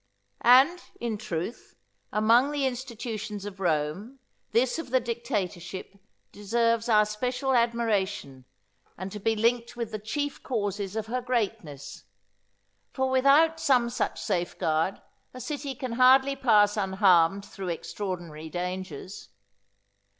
And, in truth, among the institutions of Rome, this of the dictatorship deserves our special admiration, and to be linked with the chief causes of her greatness; for without some such safeguard a city can hardly pass unharmed through extraordinary dangers.